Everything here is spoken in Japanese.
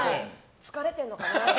疲れてるのかなって。